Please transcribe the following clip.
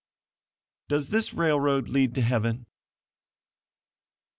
"DOES THIS RAILROAD LEAD TO HEAVEN?"